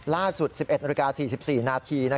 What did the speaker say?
ล่าสุด๑๑น๔๔นาที